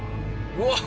うわっ